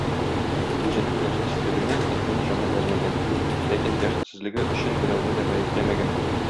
Үзенең бәхетсезлегенә кызның җаны әрнегән, ләкин бәхетсезлеге өчен берәүне дә гаепләмәгән.